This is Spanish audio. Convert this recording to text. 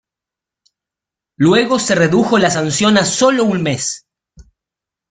Luego se redujo la sanción a sólo un mes.